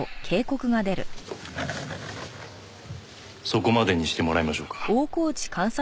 そこまでにしてもらいましょうか。